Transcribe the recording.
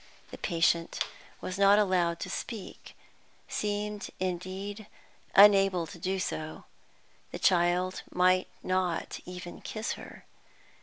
The patient was not allowed to speak, seemed indeed unable to do so. The child might not even kiss her.